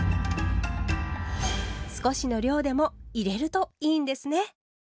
少しの量でも入れるといいんですね！